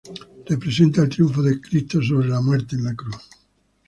Representa el triunfo de Cristo sobre la muerte en la Cruz.